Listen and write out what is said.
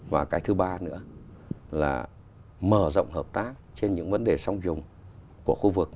và cái thứ ba nữa là mở rộng hợp tác trên những vấn đề song dùng của khu vực